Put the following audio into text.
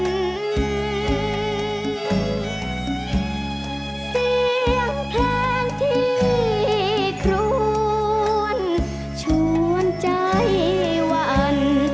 เสียงเพลงที่ครวนชวนใจวัน